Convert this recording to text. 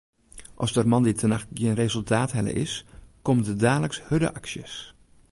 As der moandeitenacht gjin resultaat helle is, komme der daliks hurde aksjes.